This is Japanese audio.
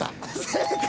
正解！